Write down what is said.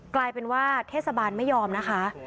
กลายเป็นว่าเทศบาลไม่ยอมนะคะ